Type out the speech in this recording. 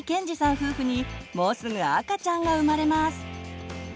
夫婦にもうすぐ赤ちゃんが生まれます。